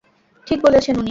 ঠিক বলেছেন উনি।